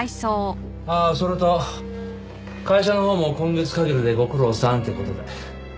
ああそれと会社のほうも今月限りでご苦労さんって事で。